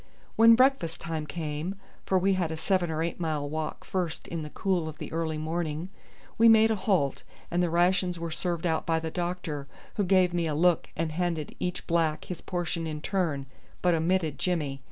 When breakfast time came, for we had a seven or eight mile walk first in the cool of the early morning, we made a halt and the rations were served out by the doctor, who gave me a look and handed each black his portion in turn, but omitted Jimmy.